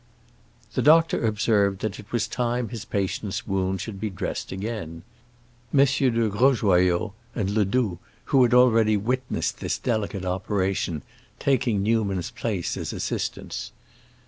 The doctor observed that it was time his patient's wound should be dressed again; MM. de Grosjoyaux and Ledoux, who had already witnessed this delicate operation, taking Newman's place as assistants.